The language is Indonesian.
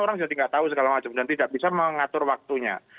orang jadi tidak tahu segala macam dan tidak bisa mengatur waktunya